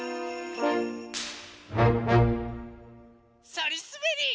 そりすべり。